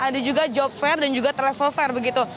ada juga job fair dan juga travel fair begitu